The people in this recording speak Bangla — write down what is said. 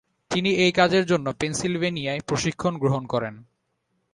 তিনি এই কাজের জন্য পেন্সিলভেনিয়ায় প্রশিক্ষণ গ্রহণ করেন।